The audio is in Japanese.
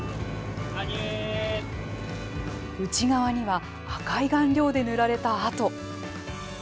内側には赤い顔料で塗られた跡。